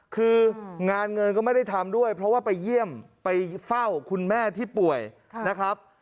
คืองานเงินก็ไม่ได้ทำด้วยเพราะว่าไปเยี่ยมไปเฝ้าคุณแม่ที่ป่วยนะครับ